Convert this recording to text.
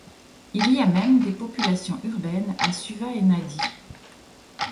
Il y a même des populations urbaines à Suva et Nadi.